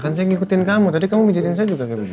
saya ngikutin kamu tadi kamu mijitin saya juga kayak begitu